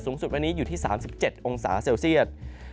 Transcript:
สุดวันนี้อยู่ที่๓๗องศาเซลเซียต